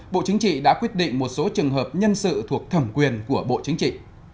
bộ chính trị đã quyết định một số trường hợp nhân sự thuộc thẩm quyền của bộ chính trị